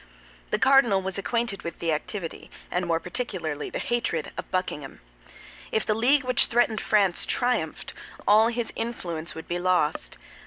The cardinal was acquainted with the activity, and more particularly the hatred, of Buckingham. If the league which threatened France triumphed, all his influence would be lost.